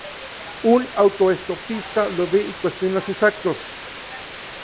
Un autoestopista lo ve, y cuestiona sus actos.